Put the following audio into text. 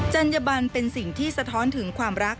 จัญญบันเป็นสิ่งที่สะท้อนถึงความรัก